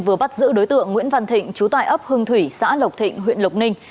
vừa bắt giữ đối tượng nguyễn văn thịnh trú tại ấp hưng thủy xã lộc thịnh huyện lộc ninh